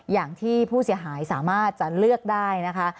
อย่างที่ผู้เสียหายสามารถจะเลือกได้นะคะ